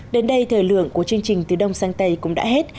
đến đây thời lượng của chương trình từ đông sang tây cũng đã hết